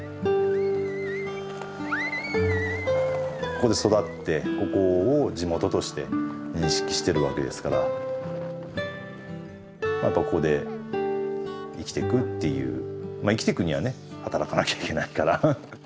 ここで育ってここを地元として認識してるわけですからやっぱここで生きていくっていうまあ生きていくにはね働かなきゃいけないから。